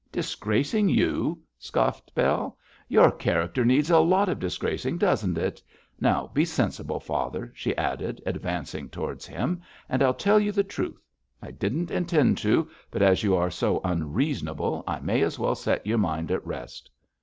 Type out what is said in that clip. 'Disgracing you!' scoffed Bell. 'Your character needs a lot of disgracing, doesn't it? Now, be sensible, father,' she added, advancing towards him, 'and I'll tell you the truth. I didn't intend to, but as you are so unreasonable I may as well set your mind at rest.'